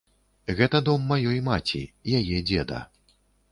Гэта дом маёй маці, яе дзеда.